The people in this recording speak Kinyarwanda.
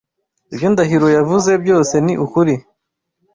Ibyo Ndahiro yavuze byose ni ukuri.